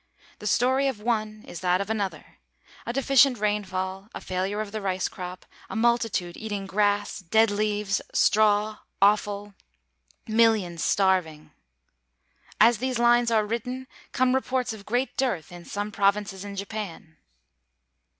The story of one is that of another; a deficient rainfall, a failure of the rice crop, a multitude eating grass, dead leaves, straw, offal millions starving. As these lines are written come reports of great dearth in some provinces in Japan.